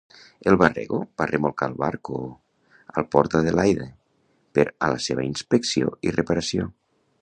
El "Warrego" va remolcar el "Barcoo" al Port Adelaide per a la seva inspecció i reparació.